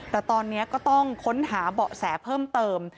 แต่ตอนนี้ก็ต้องค้นหาเบาะแสเพิ่มเติม